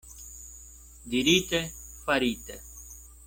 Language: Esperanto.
Dirite, farite.